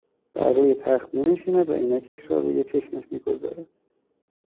بر روی تخت مینشیند و عینکش را روی چشمش میگذارد